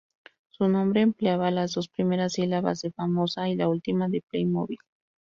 Su nombre empleaba las dos primeras sílabas de "Famosa" y la última de "Playmobil".